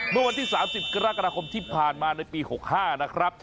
เมื่อวันที่๓๐กรกฎาคมที่ผ่านมาในปี๖๕นะครับ